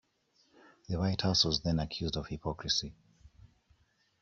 The White House was then accused of hypocrisy.